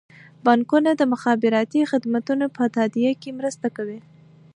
بانکونه د مخابراتي خدمتونو په تادیه کې مرسته کوي.